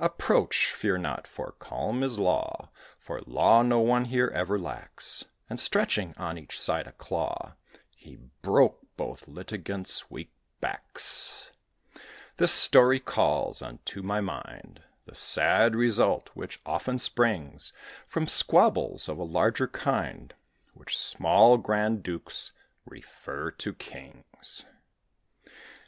"Approach, fear not, for calm is law; For law no one here ever lacks;" And, stretching on each side a claw, He broke both litigants' weak backs. This story calls unto my mind The sad result which often springs From squabbles of a larger kind, Which small grand dukes refer to kings.